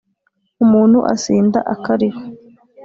Umuntu asinda akariho.